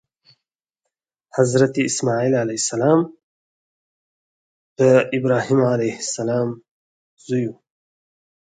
هغه خپل نوکرې زوی حضرت اسماعیل علیه السلام نه و.